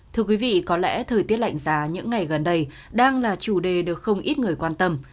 thưa quý vị có lẽ thời tiết lạnh giá những ngày gần đây đang là chủ đề được không ít người quan tâm